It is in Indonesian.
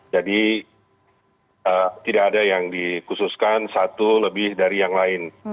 jadi tidak ada yang dikhususkan satu lebih dari yang lain